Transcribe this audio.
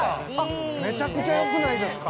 めちゃくちゃよくないですか？